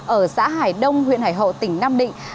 ở xã hải đông huyện hải hậu tỉnh nam định